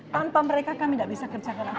tanpa mereka kami tidak bisa kerjakan apa